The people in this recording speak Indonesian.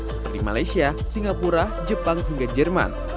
seperti malaysia singapura jepang hingga jerman